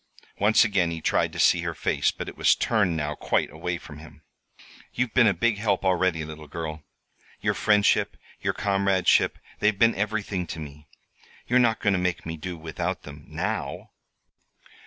Once again he tried to see her face, but it was turned now quite away from him. "You've been a big help already, little girl. Your friendship, your comradeship they've been everything to me. You're not going to make me do without them now?"